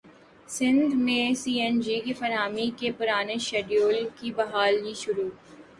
سندھ میں C N G کی فراہمی کے پرانے شیڈول کی بحالی شروع